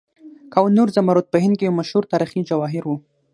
کوه نور زمرد په هند کې یو مشهور تاریخي جواهر و.